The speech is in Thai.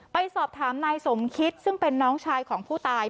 ไปสอบถามนายสมคิดซึ่งเป็นน้องชายของผู้ตาย